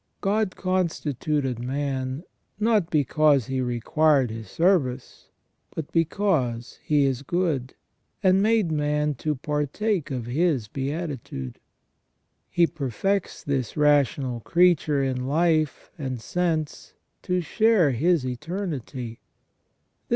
God constituted man, not because He required his service, but because He is good, and made man to partake of His beatitude. He perfects this rational creature in life and sense to share His eternity.